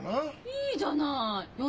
いいじゃない！